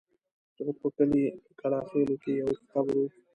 زموږ په کلي کلاخېلو کې يو اوږد قبر و.